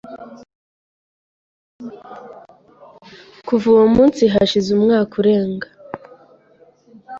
Kuva uwo munsi hashize umwaka urenga.